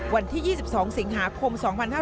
วันที่๒๒สิงหาคม๒๕๕๙